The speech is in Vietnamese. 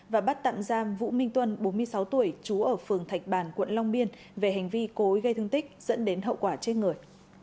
và bắt tạm giam vũ minh tuân bốn mươi sáu tuổi trú ở phường thạch bàn quận long biên về hành vi cối gây thương tích dẫn đến hậu quả chết người